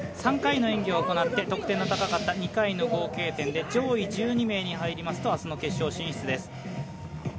３回の演技を行って得点の高かった２回の合計点で上位１２名に入りますと明日の決勝進出です。